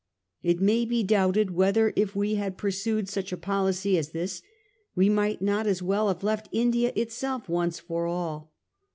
It may be doubted whether, if we had pursued such a policy as this, we might not as well have left India itself once for all.